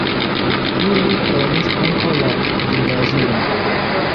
Ili prenis ankaŭ la gimnazion.